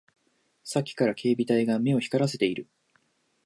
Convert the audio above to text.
さっきから警備隊が目を光らせている